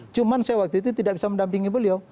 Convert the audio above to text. cuma saya waktu itu tidak bisa mendampingi beliau